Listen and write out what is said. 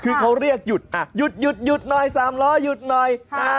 คือเขาเรียกหยุดอ่ะหยุดหยุดหน่อย๓ล้อหยุดหน่อย